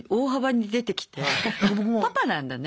パパなんだね。